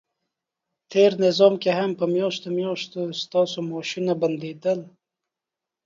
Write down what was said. تېر نظام کې هم په میاشتو میاشتو ستاسو معاشونه بندیدل،